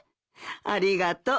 ありがとう。